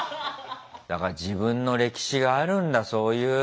だから自分の歴史があるんだそういう。